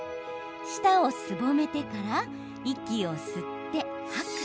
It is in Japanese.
舌をすぼめてから息を吸って吐く。